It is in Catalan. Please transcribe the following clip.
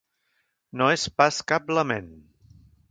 No és pas cap lament.